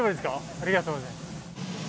ありがとうございます。